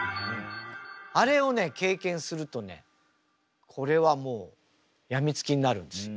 あれをね経験するとねこれはもうやみつきになるんですよ。